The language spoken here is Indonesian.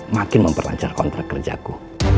makin memperlancar kontrak kerjaku